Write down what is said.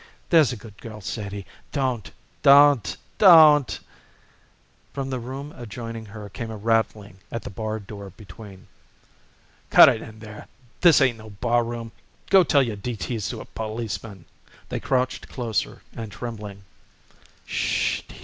There's a good girl, Sadie. Don't! Don't! Don't!" From the room adjoining came a rattling at the barred door between. "Cut it, in there! This ain't no barroom. Go tell your D. T.'s to a policeman." They crouched closer and trembling. "'Shh h h!